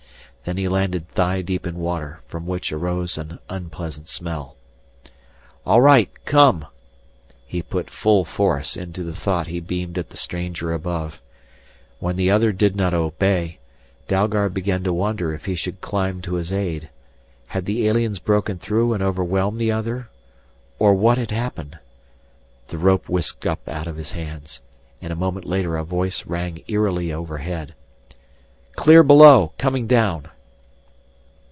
Then he landed thigh deep in water, from which arose an unpleasant smell. "All right Come " he put full force into the thought he beamed at the stranger above. When the other did not obey, Dalgard began to wonder if he should climb to his aid. Had the aliens broken through and overwhelmed the other? Or what had happened? The rope whisked up out of his hands. And a moment later a voice rang eerily overhead. "Clear below! Coming down!"